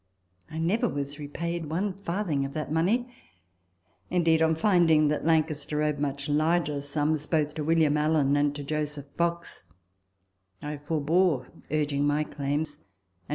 I never was repaid one farthing of that money ; indeed, on finding that Lancaster owed much larger sums both to William Allen and to Joseph Fox, I forbore urging my claims, and returned the title deeds.